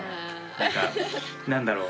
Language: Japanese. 何か何だろう。